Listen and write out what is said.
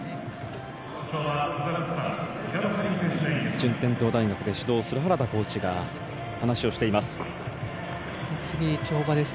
順天堂大学で指導する原田コーチが話をしています。